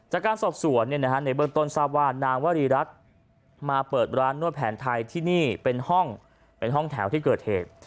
จากการสอบสวนในเบื้องต้นทราบว่านางวรีรัฐมาเปิดร้านนวดแผนไทยที่นี่เป็นห้องเป็นห้องแถวที่เกิดเหตุ